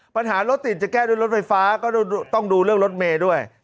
ปัญหารถติดจะแก้ด้วยรถไฟฟ้าก็ต้องดูเรื่องรถเมย์ด้วย